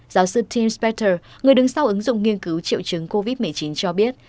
giáo sư tim spector người đứng sau ứng dụng nghiên cứu triệu chứng covid một mươi chín cho biết